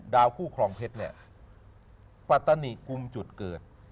คู่ครองเพชรเนี่ยปัตนิกุมจุดเกิด